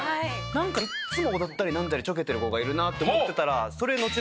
なんかいっつも踊ったりなんだりちょけてる子がいるなと思ってたらそれ。